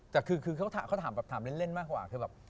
แต่คือเขาถามเล่นมากกว่า